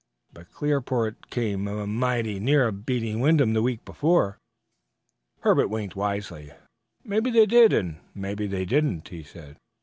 "But Clearport came mum mighty near beating Wyndham the week before." Herbert winked wisely. "Maybe they did, and maybe they didn't," he said.